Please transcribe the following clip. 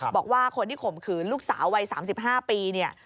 บอกว่าคนที่ข่มขืนลูกสาววัย๓๕ปีเนี่ย